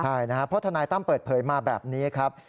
ใช่นะครับเพราะทนายตั้มเปิดเผยมาแบบนี้ครับ